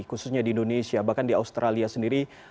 khususnya di indonesia bahkan di australia sendiri